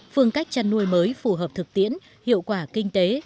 phương cách chăn nuôi mới phù hợp thực tiễn hiệu quả kinh tế